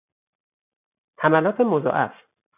حملات مضاعف